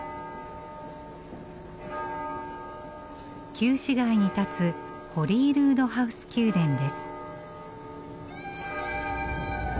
旧市街に立つホリールードハウス宮殿です。